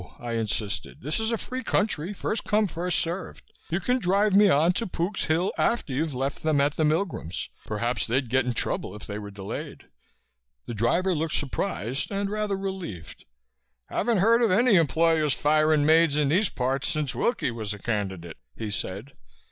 I insisted. "This is a free country first come first served. You can drive me on to Pook's Hill after you've left them at the Milgrim's. Perhaps they'd get in trouble if they were delayed." The driver looked surprised and rather relieved. "Haven't heard of any employers firin' maids in these parts since Wilkie was a candidate," he said.